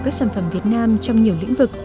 các sản phẩm việt nam trong nhiều lĩnh vực